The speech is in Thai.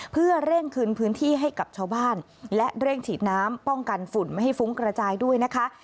เพื่อเร่งคืนพื้นที่ให้กับชาวบ้านและเร่งฉีดน้ำป้องกันฝุ่นไม่ให้ฟุ้งกระจายด้วยนะคะ